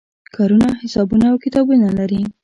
کارونه حسابونه او کتابونه لري.